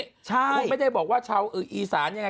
คุณไม่ได้บอกว่าชาวอีสานยังไง